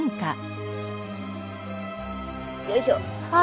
よいしょ！